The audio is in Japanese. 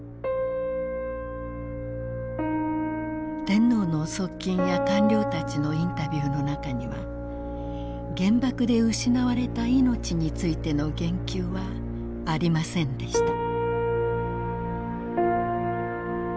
天皇の側近や官僚たちのインタビューの中には原爆で失われた命についての言及はありませんでした。